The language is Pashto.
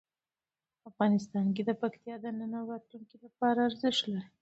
افغانستان کې پکتیا د نن او راتلونکي لپاره ارزښت لري.